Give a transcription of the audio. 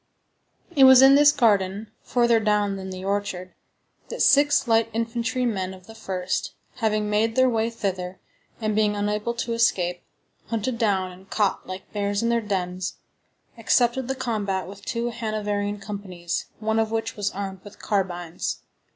It was in this garden, further down than the orchard, that six light infantry men of the 1st, having made their way thither, and being unable to escape, hunted down and caught like bears in their dens, accepted the combat with two Hanoverian companies, one of which was armed with carbines.